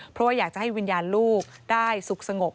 เพราะว่าอยากจะให้วิญญาณลูกได้สุขสงบ